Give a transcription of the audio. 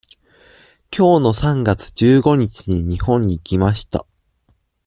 今年の三月十五日に日本に来ました。